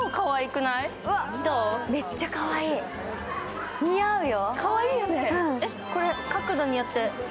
めっちゃかわいい、似合うよ。